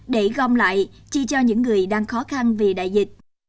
để gom lại chi cho những người đang khó khăn vì đại dịch